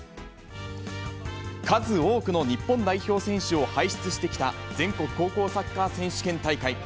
数多くの日本代表選手を輩出してきた全国高校サッカー選手権大会。